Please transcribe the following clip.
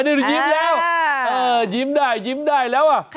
นี่ยิ้มแล้วยิ้มได้ยิ้มได้แล้วอ่ะ